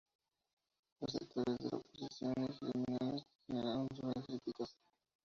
Los sectores de la oposición y gremiales generaron duras críticas.